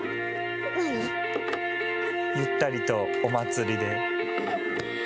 ゆったりとお祭りで。